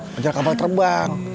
nganjel kapal terbang